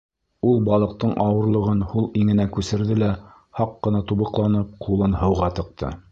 Ул балыҡтың ауырлығын һул иңенә күсерҙе лә, һаҡ ҡына тубыҡланып, ҡулын һыуға тыҡты.